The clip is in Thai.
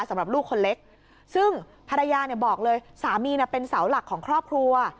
สำหรับลูกคนเล็กซึ่งภรรยาเนี่ยบอกเลยสามีเป็นเสาหลักของครอบครัว